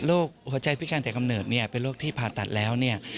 หัวใจพิการแต่กำเนิดเนี่ยเป็นโรคที่ผ่าตัดแล้วเนี่ย